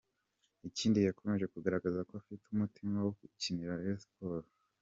Ikindi yakomeje kugaragaza ko afite umutima wo gukinira Rayon Sports.